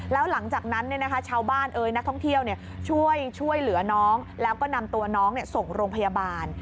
แล้วหลังจากนั้นชาวบ้านนักท่องเที่ยวช่วยเหลือน้องแล้วก็นำตัวน้องส่งโรงพยาบาล